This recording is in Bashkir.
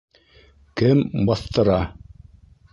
— Кем баҫтыра?